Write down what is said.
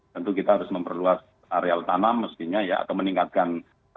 tentu kita harus memperluas areal tanam mestinya ya atau meningkatkan